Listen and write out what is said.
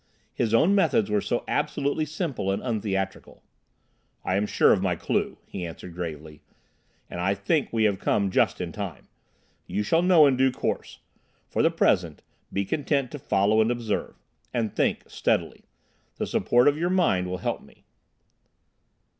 His own methods were so absolutely simple and untheatrical. "I am sure of my clue," he answered gravely. "And I think we have come just in time. You shall know in due course. For the present—be content to follow and observe. And think, steadily. The support of your mind will help me."